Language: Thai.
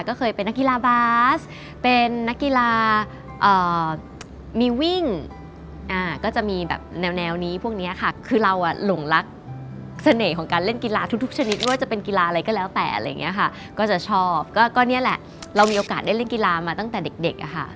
ก็เคยเป็นนักกีฬาบาสเป็นนักกีฬามีวิ่งก็จะมีแบบแนวนี้พวกนี้ค่ะคือเราอ่ะหลงรักเสน่ห์ของการเล่นกีฬาทุกชนิดไม่ว่าจะเป็นกีฬาอะไรก็แล้วแต่อะไรอย่างนี้ค่ะก็จะชอบก็เนี่ยแหละเรามีโอกาสได้เล่นกีฬามาตั้งแต่เด็กเด็กอะค่ะ